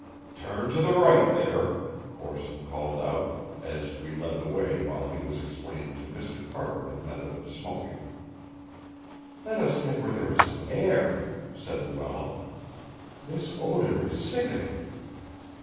"Turn to the right there," Corson called out, as we led the way while he was explaining to Mr. Carter the method of smoking. "Let us get where there is some air," said Luella. "This odor is sickening."